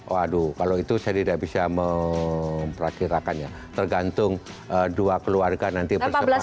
waduh kalau itu saya tidak bisa memperhatirakannya tergantung dua keluarga nanti bersepakat